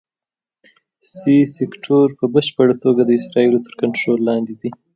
سي سیکټور په بشپړه توګه د اسرائیلو تر کنټرول لاندې دی.